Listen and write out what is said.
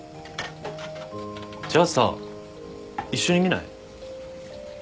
じゃあさ一緒に見ない？